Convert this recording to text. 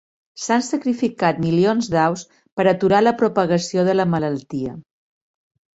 S'han sacrificat milions d'aus per aturar la propagació de la malaltia.